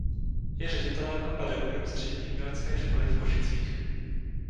Je ředitelem a pedagogem Střední umělecké školy v Košicích.